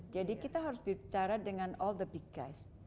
jadi kita harus bicara dengan all the big guys